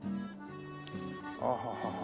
はあはあはあはあ。